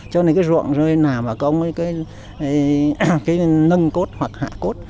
cho nên cái ruộng dươi nào mà có cái nâng cốt hoặc hạ cốt